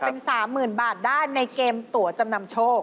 เป็น๓๐๐๐บาทได้ในเกมตัวจำนำโชค